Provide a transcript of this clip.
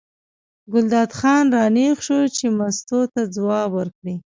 ګلداد خان را نېغ شو چې مستو ته ځواب ورکړي.